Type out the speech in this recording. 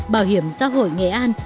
bảo hiểm xã hội nghệ an